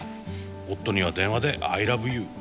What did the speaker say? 夫には電話でアイラブユー。